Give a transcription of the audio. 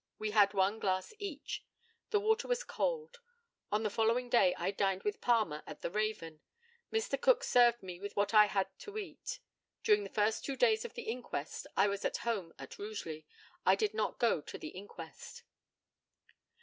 We had one glass each. The water was cold. On the following day I dined with Palmer at the Raven. Mr. Cook served me with what I had to eat. During the first two days of the inquest I was at home at Rugeley. I did not go to the inquest.